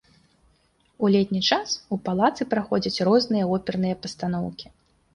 У летні час у палацы праходзяць розныя оперныя пастаноўкі.